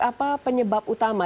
apa penyebab utama